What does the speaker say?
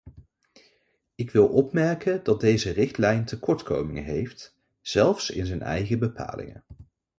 Ik wil opmerken dat deze richtlijn tekortkomingen heeft, zelfs in zijn eigen bepalingen.